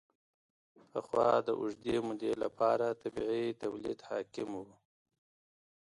پخوا د اوږدې مودې لپاره طبیعي تولید حاکم و.